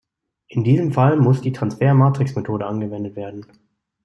In diesem Fall muss die Transfer-Matrix-Methode angewendet werden.